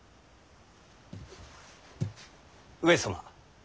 上様。